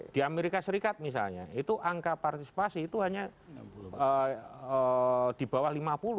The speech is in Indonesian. di amerika serikat misalnya itu angka partisipasi itu hanya di bawah lima puluh